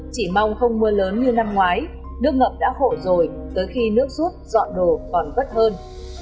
chỉ mong không mưa lớn như năm ngoái nước ngập đã khổ rồi tới khi nước rút dọn đồ còn vất hơn